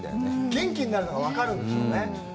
元気になるのが分かるんですよね。